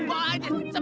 bawa aja cepet ayo